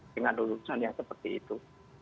dengan lulusan yang seperti itu